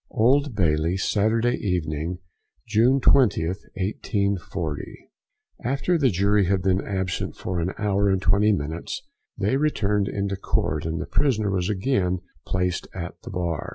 OLD BAILEY, SATURDAY EVENING, June 20th, 1840. After the jury had been absent for an hour and twenty minutes, they returned into court, and the prisoner was again placed at the bar.